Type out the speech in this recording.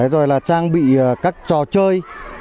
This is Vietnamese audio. rồi là trang bị các trò chơi